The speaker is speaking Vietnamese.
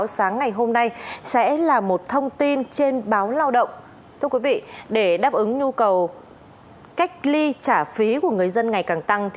sau khi bắt đầu cách ly trả phí của người dân ngày càng tăng